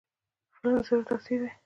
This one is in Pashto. فلم د زړه تاثیر دی